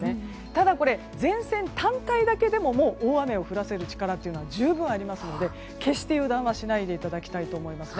ただ、前線、単体だけでも大雨を降らせる力が十分にありますので決して油断はしないでいただきたいと思います。